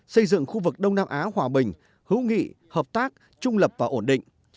xây dựng khu vực đông nam á hòa bình hữu nghị hợp tác trung lập và ổn định